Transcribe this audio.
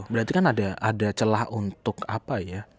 berarti kan ada celah untuk apa ya